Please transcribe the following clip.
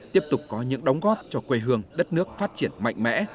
tiếp tục có những đóng góp cho quê hương đất nước phát triển mạnh mẽ